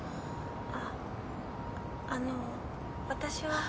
ああの私は。